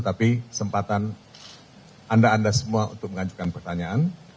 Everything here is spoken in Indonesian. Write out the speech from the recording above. tapi kesempatan anda anda semua untuk mengajukan pertanyaan